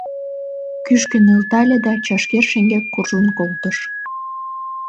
Кӱшкӧ нӧлтале да чашкер шеҥгек куржын колтыш.